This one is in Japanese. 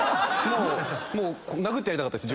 もう殴ってやりたかったです